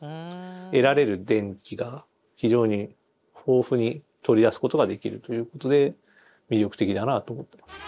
得られる電気が非常に豊富に取り出すことができるということで魅力的だなと思ってます。